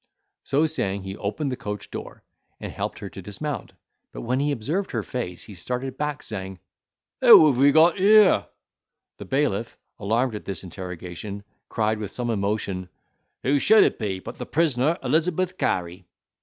So saying, he opened the coach door, and helped her to dismount; but when he observed her face, he started back, saying, "Who have we got here?" The bailiff, alarmed at this interrogation, cried with some emotion, "Who should it be but the prisoner, Elizabeth Cary?"